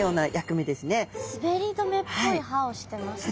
すべり止めっぽい歯をしてますね。